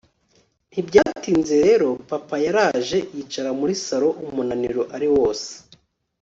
ntibyatinze rero papa yaraje yicara muri salon umunaniro ari wose